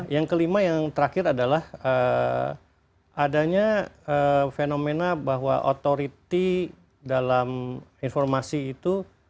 yang kelima yang terakhir adalah adanya fenomena bahwa otoriti dalam informasi itu